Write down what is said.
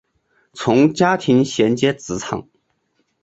从家庭衔接职场